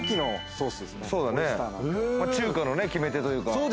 中華の決め手というか。